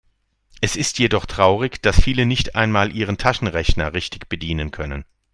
Es ist jedoch traurig, dass viele nicht einmal ihren Taschenrechner richtig bedienen können.